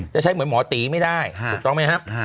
จะใช้เหมือนหมอตีไม่ได้ถูกต้องไหมครับ